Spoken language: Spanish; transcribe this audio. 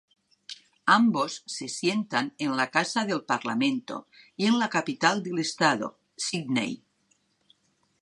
Ambos se sientan en la Casa del Parlamento en la capital del estado, Sydney.